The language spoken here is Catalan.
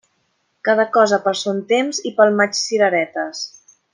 Cada cosa per son temps i pel maig cireretes.